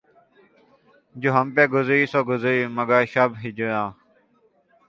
جو ہم پہ گزری سو گزری مگر شب ہجراں